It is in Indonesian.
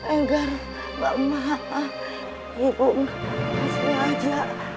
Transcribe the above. enggar mbak maaf ibu ini aja